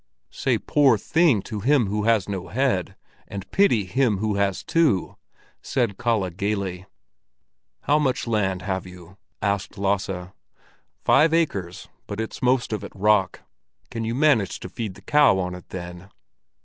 "Say 'poor thing' to him who has no head, and pity him who has two," said Kalle gaily. "How much land have you?" asked Lasse. "Five acres; but it's most of it rock." "Can you manage to feed the cow on it then?"